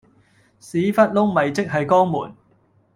屎忽窿咪即係肛門